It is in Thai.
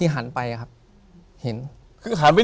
ถูกต้องไหมครับถูกต้องไหมครับ